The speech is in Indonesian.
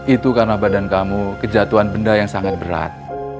itu karena badan kamu kejatuhan benda yang sangat berat